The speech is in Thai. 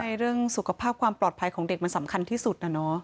ใช่เรื่องสุขภาพความปลอดภัยของเด็กมันสำคัญที่สุดนะเนอะ